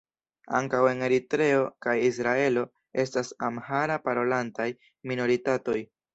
Ankaŭ en Eritreo kaj Israelo estas amhara-parolantaj minoritatoj.